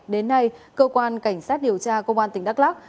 đến nay cơ quan cảnh sát điều tra công an tỉnh đắk lắc